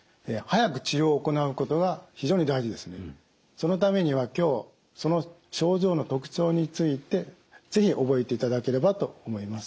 そのためには今日その症状の特徴について是非覚えていただければと思います。